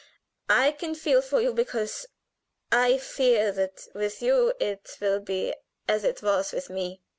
I can feel for you because I fear that with you it will be as it was with me.